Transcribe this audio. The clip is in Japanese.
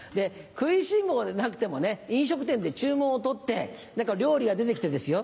食いしん坊でなくてもね飲食店で注文を取って料理が出て来てですよ